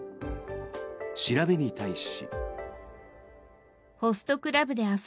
調べに対し。